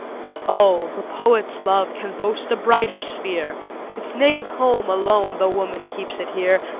But oh! the poet's love Can boast a brighter sphere; Its native home's above, Tho' woman keeps it here.